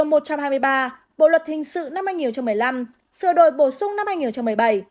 theo khoản một điều một trăm hai mươi ba bộ luật hình sự năm hai nghìn một mươi năm sửa đổi bổ sung năm hai nghìn một mươi bảy